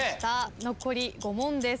残り５問です。